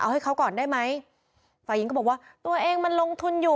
เอาให้เขาก่อนได้ไหมฝ่ายหญิงก็บอกว่าตัวเองมันลงทุนอยู่